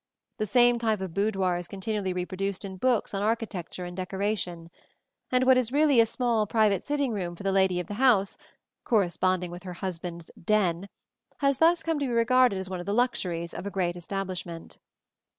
The same type of boudoir is continually reproduced in books on architecture and decoration; and what is really a small private sitting room for the lady of the house, corresponding with her husband's "den," has thus come to be regarded as one of the luxuries of a great establishment.